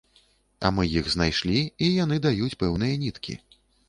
А мы іх знайшлі, і яны даюць пэўныя ніткі.